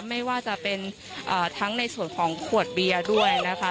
ไม่ว่าจะเป็นทั้งในส่วนของขวดเบียร์ด้วยนะคะ